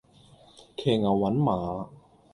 騎牛揾馬